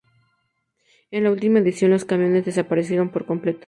En la última edición los camiones desaparecieron por completo.